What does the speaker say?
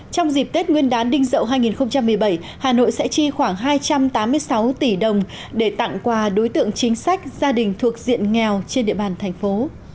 trong dịp tết nguyên đán đinh dậu hai nghìn một mươi bảy hà nội sẽ chi khoảng hai trăm tám mươi sáu tỷ đồng để tặng quà đối tượng chính sách gia đình thuộc diện nghèo trên địa bàn thành phố